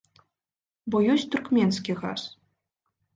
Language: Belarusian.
Бо ёсць туркменскі газ.